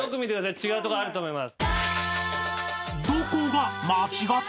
違うところあると思います。